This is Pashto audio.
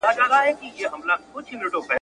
مه وایه: له تا سره مینه لرم.